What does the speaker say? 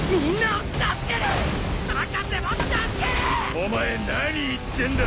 お前何言ってんだ？